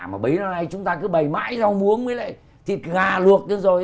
mà bấy năm nay chúng ta cứ bày mãi rau muống với lại thịt gà luộc thế rồi